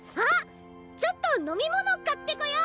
ちょっと飲み物買ってこよ！